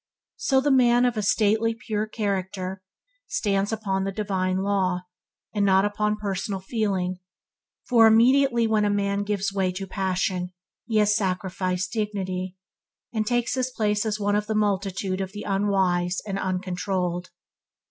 So with the man of stately purity of character, he stands upon the divine law, and not upon personal feeling, for immediately a man gives way to passion he has sacrificed dignity, and takes his place as one of the multitude of the unwise and uncontrolled.